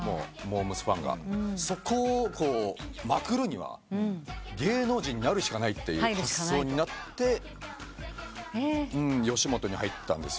そこをまくるには芸能人になるしかないっていう発想になって吉本に入ったんですよね。